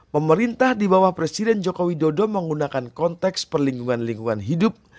pemerintah di bawah presiden jokowi dodo menggunakan konteks perlingkungan lingkungan hidup